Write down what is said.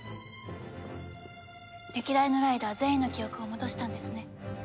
歴代のライダー全員の記憶を戻したんですね。